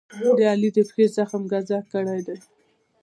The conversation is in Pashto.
د علي د پښې زخم ګذک کړی دی.